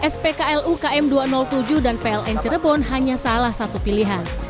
spklu km dua ratus tujuh dan pln cirebon hanya salah satu pilihan